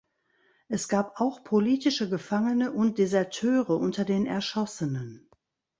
Es gab auch politische Gefangene und Deserteure unter den Erschossenen.